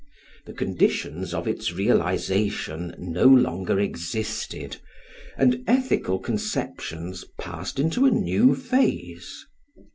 The conditions of its realisation no longer existed, and ethical conceptions passed into a new phase.